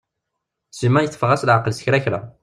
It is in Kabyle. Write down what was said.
Sima yetteffeɣ-as leɛqel s kra kra.